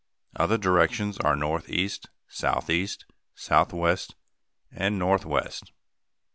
Other directions are northeast, southeast, southwest, and northwest.